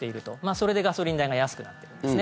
それでガソリン代が安くなっているんです。